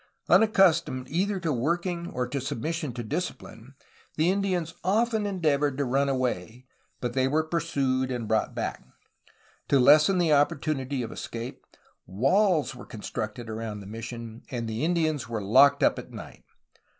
Unaccustomed either to working or to submission to discipline the Indians often endeavored to run away, but were pursued and brought back. To lessen the opportunity of escape, walls were constructed around the mission, and the Indians were locked up at night.